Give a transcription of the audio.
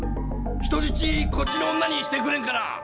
人質こっちの女にしてくれんかな？